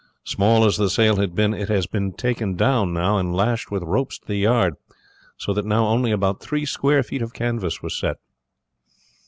Small as the sail had been it had been taken down and lashed with ropes to the yard, so that now only about three square feet of canvas was set.